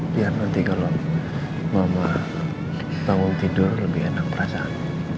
biar nanti kalau mama bangun tidur lebih enak perasaan